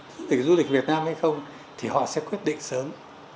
có thể du lịch việt nam hay không thì họ sẽ quyết định sớm